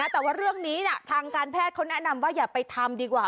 แต่ว่าเรื่องนี้ทางการแพทย์เขาแนะนำว่าอย่าไปทำดีกว่า